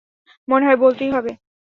মনে হয় বলতেই হবে।